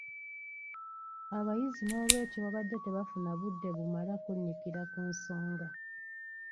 Abayizi n’olwekyo babadde tebafuna budde bumala kunnyikira ku nsonga.